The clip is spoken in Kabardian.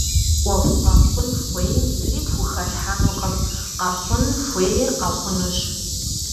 Ӏуэху къэхъун хуейм зыри пхухэлъхьэнукъым - къэхъун хуейр къэхъунущ.